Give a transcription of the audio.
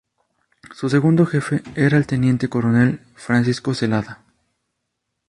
Su segundo jefe era el teniente coronel Francisco Zelada.